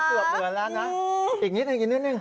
เกือบเหมือนแล้วนะอีกนิดหนึ่ง